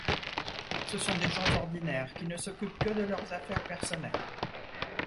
Ce sont des gens ordinaires qui ne s'occupent que de leurs affaires personnelles.